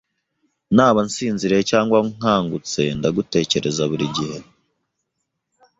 Naba nsinziriye cyangwa nkangutse, ndagutekereza buri gihe.